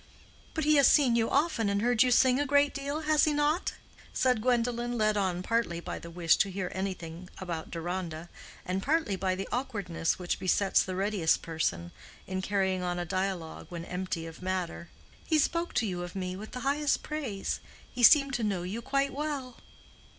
"But he has seen you often and heard you sing a great deal, has he not?" said Gwendolen, led on partly by the wish to hear anything about Deronda, and partly by the awkwardness which besets the readiest person, in carrying on a dialogue when empty of matter. "He spoke of you to me with the highest praise. He seemed to know you quite well."